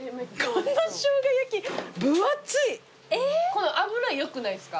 この脂よくないっすか？